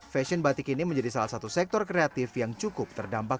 fashion batik ini menjadi salah satu sektor kreatif yang cukup terdampak